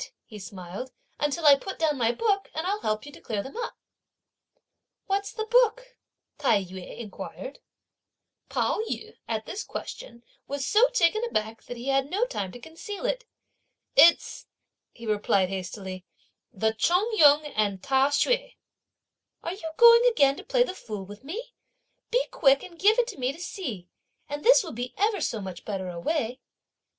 he smiled, "until I put down my book, and I'll help you to clear them up!" "What's the book?" Tai yü inquired. Pao yü at this question was so taken aback that he had no time to conceal it. "It's," he replied hastily, "the Chung Yung and the Ta Hsüeh!" "Are you going again to play the fool with me? Be quick and give it to me to see; and this will be ever so much better a way!"